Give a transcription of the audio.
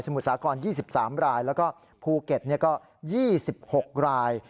มุทรสาคร๒๓รายแล้วก็ภูเก็ตก็๒๖ราย